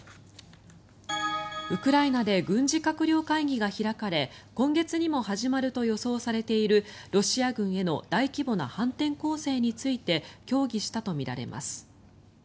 ウクライナで軍事閣僚会議が開かれ今月にも始まると予想されているロシア軍への大規模な反転攻勢について協議したとみられます。